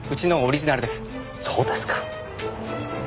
そうですか。